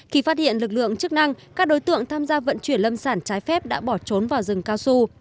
khi phát hiện lực lượng chức năng các đối tượng tham gia vận chuyển lâm sản trái phép đã bỏ trốn vào rừng cao su